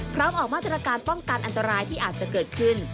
ออกมาตรการป้องกันอันตรายที่อาจจะเกิดขึ้น